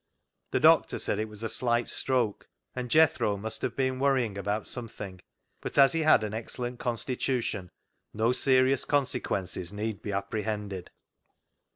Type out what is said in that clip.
The doctor said it was a slight stroke, and Jethro must have been worrying about something, but as he had an excellent constitution no serious consequences need be apprehended.